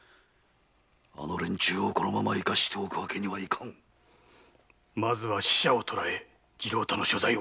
あの連中をこのまま生かしておくわけにはいかぬまずは使者を捕え次郎太の所在を。